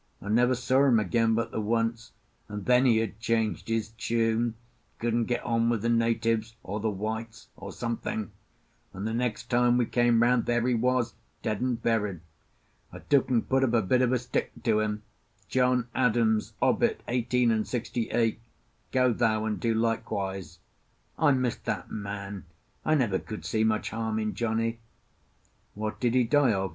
I never saw him again but the once, and then he had changed his tune—couldn't get on with the natives, or the whites, or something; and the next time we came round there he was dead and buried. I took and put up a bit of a stick to him: 'John Adams, obit eighteen and sixty eight. Go thou and do likewise.' I missed that man. I never could see much harm in Johnny." "What did he die of?"